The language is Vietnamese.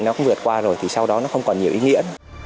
nó cũng vượt qua rồi thì sau đó nó không còn nhiều ý nghĩa